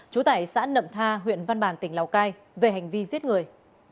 trú tại xã nậm tha huyện văn bàn tỉnh lào cai về hành vi giết người